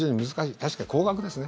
確か、高額ですね。